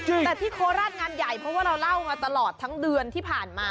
แต่ที่โคราชงานใหญ่เพราะว่าเราเล่ามาตลอดทั้งเดือนที่ผ่านมา